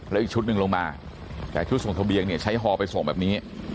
แล้วอีกชุดหนึ่งลงมาแต่ชุดส่งทะเบียงเนี่ยใช้ฮอไปส่งแบบนี้